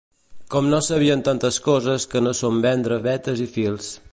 Com no sabien tantes coses que no són vendre betes i fils.